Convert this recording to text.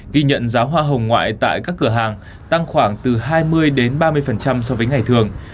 ghi nhận giá hoa hồng ngoại tại các cửa hàng tăng khoảng từ hai mươi đến ba mươi so với ngày thường